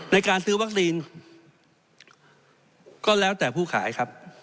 ในการซื้อวัคซีนก็แล้วแต่ผู้ขายครับ